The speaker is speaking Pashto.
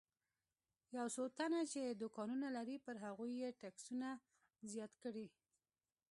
یو څو تنه چې دوکانونه لري پر هغوی یې ټکسونه زیات کړي.